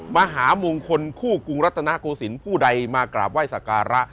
มหามงคลคู่กรุงรัฐนาโกศิลป์ผู้ใดมากราบไหว้สักการะ